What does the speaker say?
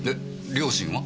両親は？